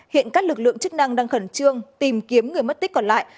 hiện các lực lượng chức năng đang khẩn trương tìm kiếm người mất tích còn lại